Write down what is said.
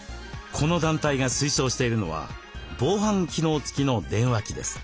この団体が推奨しているのは防犯機能付きの電話機です。